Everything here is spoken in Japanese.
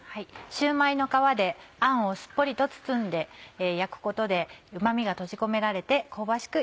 シューマイの皮であんをすっぽりと包んで焼くことでうま味が閉じ込められて香ばしく